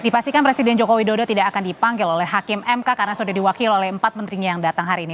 dipastikan presiden joko widodo tidak akan dipanggil oleh hakim mk karena sudah diwakil oleh empat menterinya yang datang hari ini